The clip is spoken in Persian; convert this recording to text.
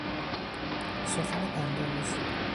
سخن پندآمیز